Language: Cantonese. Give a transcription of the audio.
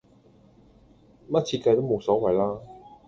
乜設計都無所謂啦